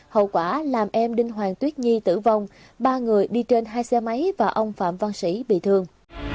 hậu quả làm em đinh hoàng tuyết nhi tử vong ba người đi trên hai xe máy và ông phạm văn sĩ bị thương